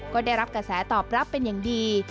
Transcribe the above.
ก็ได้รับกระแสตอบรับเป็นอย่างดี